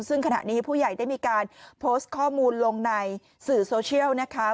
ซึ่งขณะนี้ผู้ใหญ่ได้มีการโพสต์ข้อมูลลงในสื่อโซเชียลนะคะ